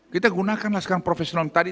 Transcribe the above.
kita gunakan laskan profesional tadi